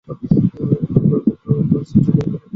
অন্য কয়েকজন নার্স জোগাড় করা হল।